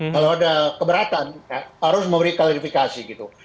kalau ada keberatan harus memberi klarifikasi gitu